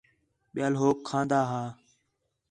ٻِیال ہوک کھان٘دا ہا